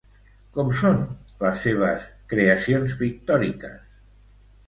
Com són les seves creacions pictòriques?